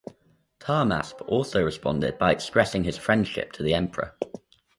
Tahmasp also responded by expressing his friendship to the Emperor.